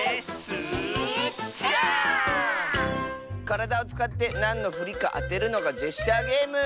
からだをつかってなんのふりかあてるのがジェスチャーゲーム！